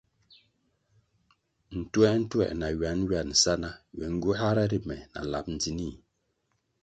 Ntuer-ntuer na nwan-nwan sa ná ywe ngywáhra ri me na lap ndzinih.